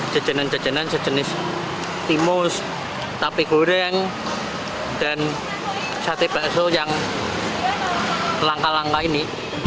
jajanan jajanan sejenis timus tapi goreng dan sate bakso yang langka langka ini